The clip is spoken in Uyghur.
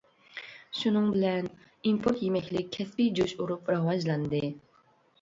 شۇنىڭ بىلەن ئىمپورت يېمەكلىك كەسپىي جۇش ئۇرۇپ راۋاجلاندى.